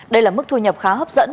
đây là mức thu nhập khá hấp dẫn